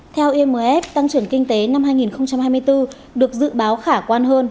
theo imf tăng trưởng kinh tế năm hai nghìn hai mươi bốn được dự báo khả quan hơn